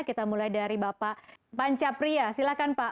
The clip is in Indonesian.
kita mulai dari bapak pancapria silakan pak